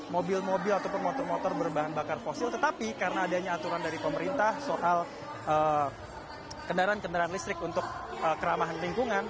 maka karena ada aturan dari pemerintah soal kendaraan kendaraan listrik untuk keramahan lingkungan